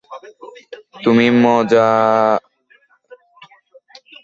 তুমি মজার যখন মাতাল থাকো।